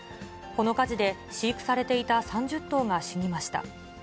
この火事で、飼育されていた３０頭が死にました。